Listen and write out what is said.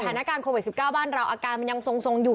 สถานการณ์โควิด๑๙บ้านเราอาการมันยังทรงอยู่